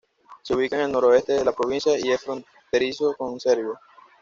Se ubica en el noroeste de la provincia y es fronterizo con Serbia.